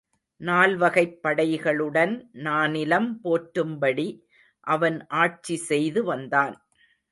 நால்வகைப் படைகளுடன் நானிலம் போற்றும்படி அவன் ஆட்சி செய்து வந்தான்.